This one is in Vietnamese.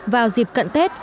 vào dịp cận tết